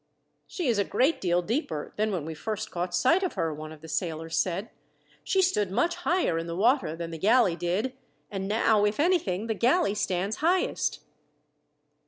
"She is a great deal deeper than when we first caught sight of her," one of the sailors said. "She stood much higher in the water than the galley did, and now, if anything, the galley stands highest."